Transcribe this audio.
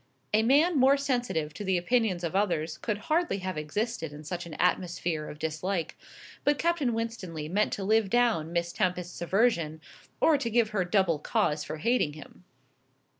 A man more sensitive to the opinions of others could hardly have existed in such an atmosphere of dislike; but Captain Winstanley meant to live down Miss Tempest's aversion, or to give her double cause for hating him.